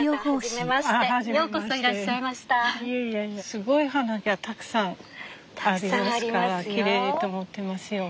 すごい花がたくさんありますからきれいと思ってますよ。